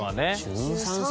１３歳？